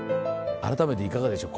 改めていかがでしょう？